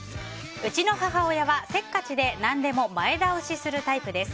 うちの母親はせっかちで何でも前倒しするタイプです。